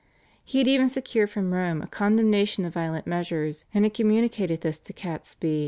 He had even secured from Rome a condemnation of violent measures, and had communicated this to Catesby.